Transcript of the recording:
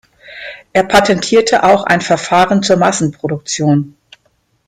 Er patentierte auch ein Verfahren zur Massenproduktion.